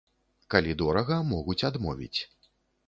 Калі дорага, могуць адмовіць.